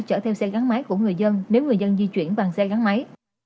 chở theo xe gắn máy của người dân nếu người dân di chuyển bằng xe gắn máy